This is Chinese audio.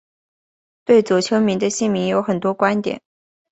对左丘明的姓名有很多观点。